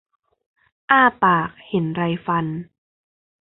อ้าปากเห็นไรฟัน